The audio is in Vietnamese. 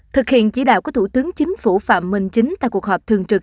thực hiện chỉ đạo của thủ tướng chính phủ phạm minh chính tại cuộc họp thường trực